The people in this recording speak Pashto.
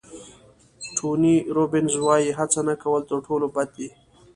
ټوني روبینز وایي هڅه نه کول تر ټولو بد دي.